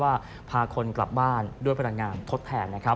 กับโครงการที่ว่าพาคนกลับบ้านด้วยพลังงานทดแทนนะครับ